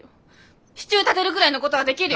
支柱立てるぐらいのごどはできるよ！